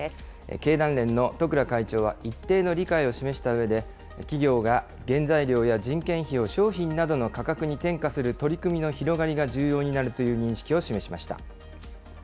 経団連の十倉会長は一定の理解を示したうえで、企業が原材料や人件費を商品などの価格に転嫁する取り組みの広がりが重要になるという認識を示しました。